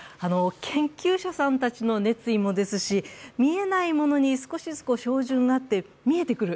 研究者さんたちの熱意もですし、見えないものに少しずつ照準が合って見えてくる。